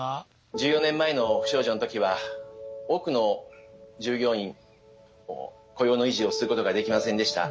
１４年前の不祥事の時は多くの従業員を雇用の維持をすることができませんでした。